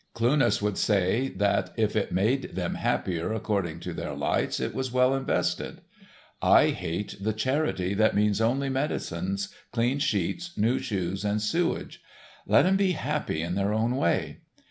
Cluness would say that if it made them happier according to their lights it was well invested. I hate the charity that means only medicines, clean sheets, new shoes and sewerage. Let 'em be happy in their own way."